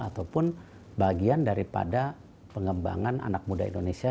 ataupun bagian daripada pengembangan anak muda indonesia